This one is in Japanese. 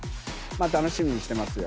楽しみにしてますよ。